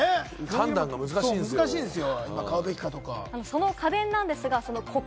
判断が難しいですよ。